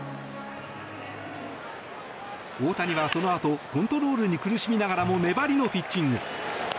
大谷はそのあとコントロールに苦しみながらも粘りのピッチング。